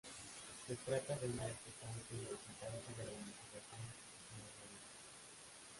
Se trata de un área pujante y excitante de la investigación inorgánica.